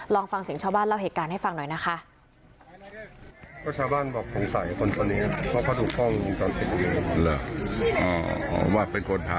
ลองฟังเสียงชาวบ้านเล่าเหตุการณ์ให้ฟังหน่อยนะคะ